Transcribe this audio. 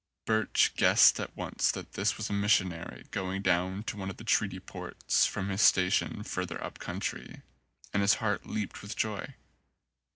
Birch guessed at once that this was a mis sionary going down to one of the treaty ports from his station further up country, and his heart leaped with joy.